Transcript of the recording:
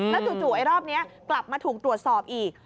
แล้วจู่ไอ้รอบนี้กลับมาถูกตรวจสอบอีก